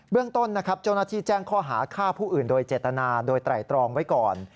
เรื่องต้นนะครับเจ้าหน้าที่แจ้งข้อหาฆ่าผู้อื่นโดยเจตนาโดยไตรตรองไว้ก่อน